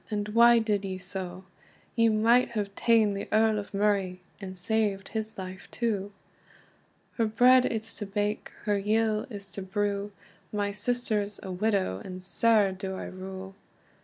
and why did ye so? You might have taen the Earl o Murray, and saved his life too." "Her bread it's to bake, her yill is to brew; My sister's a widow, and sair do I rue.